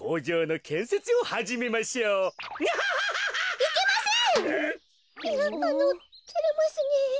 いやあのてれますねえ。